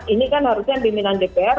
ini kan harusnya pimpinan dpr